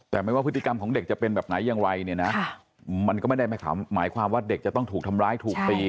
แต่ไม่ว่าพฤติกรรมของเด็กจะเป็นแบบไหนอย่างไรเนี่ยนะมันก็ไม่ได้หมายความว่าเด็กจะต้องถูกทำร้ายถูกตี